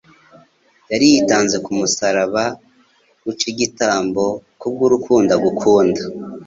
yari yitanze ku musaraba uc'igitambo kubw'urukundo agukunda.